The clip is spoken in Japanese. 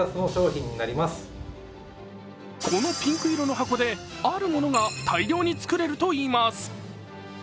このピンク色の箱であるものが大量に作れるといいます。